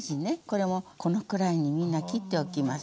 これもこのくらいにみんな切っておきます。